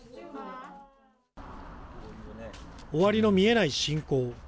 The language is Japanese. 終わりの見えない侵攻。